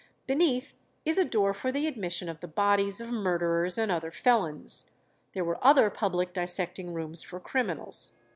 Beneath is a door for the admission of the bodies of murderers and other felons. There were other public dissecting rooms for criminals.